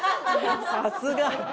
さすが！